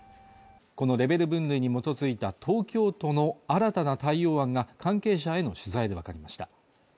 このレベル分類に基づいた東京都の新たな対応案が関係者への取材で分かりました